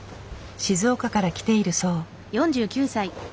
静岡から来ているそう。